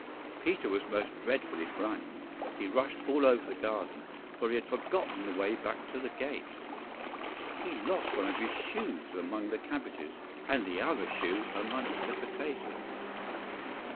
PETER was most dreadfully frightened; he rushed all over the garden, for he had forgotten the way back to the gate. He lost one of his shoes among the cabbages, and the other shoe amongst the potatoes.